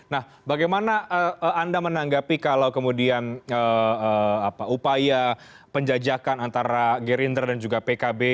nah bagaimana anda menanggapi kalau kemudian upaya penjajakan antara gerindra dan juga pkb